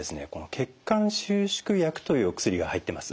血管収縮薬というお薬が入ってます。